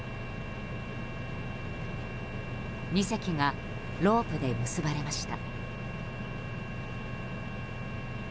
２隻がロープで結ばれました。